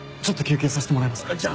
ちょっと休憩させてもらえますか？